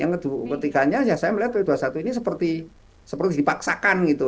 yang ketiganya ya saya melihat p dua puluh satu ini seperti dipaksakan gitu